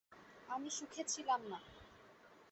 আমি সুখে ছিলাম না।